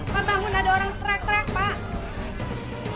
pak bangun ada orang teriak teriak pak